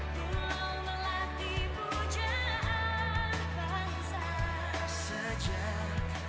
tuhan di atasku